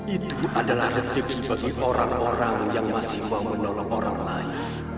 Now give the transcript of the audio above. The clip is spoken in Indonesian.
itu adalah rezeki bagi orang orang yang masih mau menolong orang lain